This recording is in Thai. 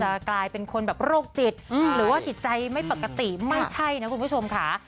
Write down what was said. กลายเป็นคนแบบโรคจิตหรือว่าจิตใจไม่ปกติไม่ใช่นะคุณผู้ชมค่ะ